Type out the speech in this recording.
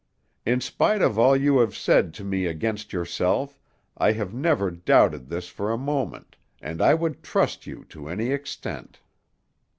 In spite of all you have said to me against yourself, I have never doubted this for a moment, and I would trust you to any extent."